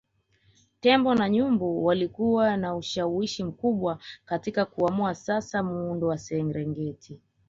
Tembo na nyumbu walikuwa na ushawishi mkubwa katika kuamua sasa muundo wa Serengeti